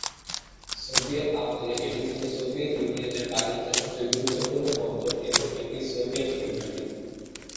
Soviet আমলে এটি ছিল সোভিয়েত ইউনিয়ন-এর বাণিজ্যের সবচেয়ে গুরুত্বপূর্ণ বন্দর এবং একটি সোভিয়েত নৌ ঘাঁটি।